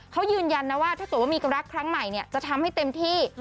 เค้ายืนยันนะว่าถ้าตัวว่ามีรักครั้งใหม่จะทำให้เต็มที่